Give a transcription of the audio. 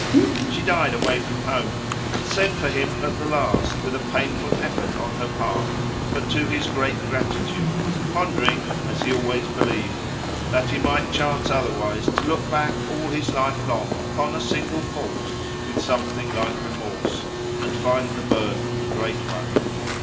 She died away from home, but sent for him at the last, with a painful effort on her part, but to his great gratitude, pondering, as he always believed, that he might chance otherwise to look back all his life long upon a single fault with something like remorse, and find the burden a great one.